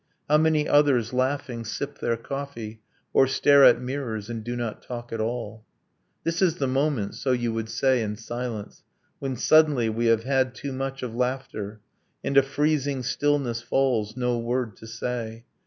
How many others, laughing, sip their coffee Or stare at mirrors, and do not talk at all? ... 'This is the moment' (so you would say, in silence) When suddenly we have had too much of laughter: And a freezing stillness falls, no word to say.